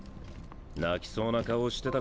泣きそうな顔してたから。